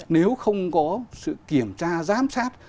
nếu không có sự kiểm tra giám sát